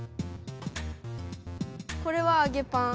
これはあげパン。